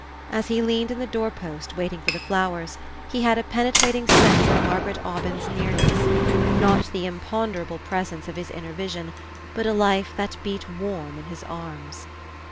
As he leaned in the doorpost, waiting for the flowers, he had a penetrating sense of Margaret Aubyn's nearness not the imponderable presence of his inner vision, but a life that beat warm in his arms....